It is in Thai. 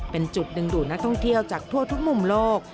เป็นจุดดึงดูดนักท่องเที่ยวจากทั่วทุกมุมโลก